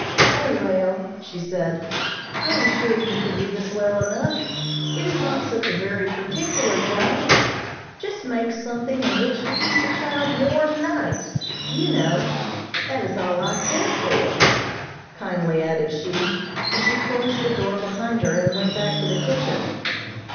"O, well," she said, "I am sure you can do this well enough. It is not such a very particular job; just make something in which to keep the child warm nights, you know. That is all I care for," kindly added she, as she closed the door behind her and went back to the kitchen.